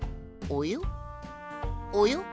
およ？